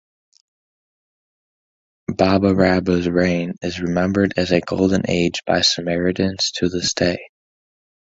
Baba Rabba's reign is remembered as a golden age by Samaritans to this day.